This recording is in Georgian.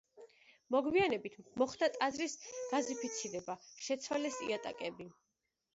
მოგვიანებით, მოხდა ტაძრის გაზიფიცირება, შეცვალეს იატაკები.